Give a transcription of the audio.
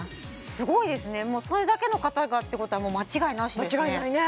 すごいですねそれだけの方がってことはもう間違いなしですね間違いないね